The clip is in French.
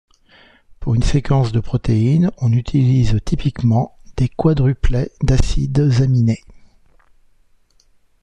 Pour une séquence de protéine, on utilise typiquement des quadruplets d'acides aminés.